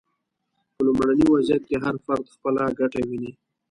په لومړني وضعیت کې هر فرد خپله ګټه ویني.